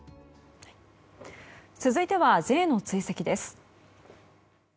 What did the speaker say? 続いてはＪの追跡です。